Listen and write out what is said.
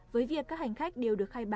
với việc các hành khách đều được khai báo